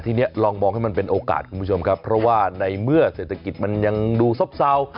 ทีนี้ลองมองให้มันเป็นโอกาสคุณผู้ชมครับเพราะว่าในเมื่อเศรษฐกิจมันยังดูซบเศร้า